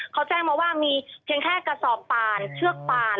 เขาแจ้งมาว่ามีเพียงแค่กระสอบป่านเชือกป่าน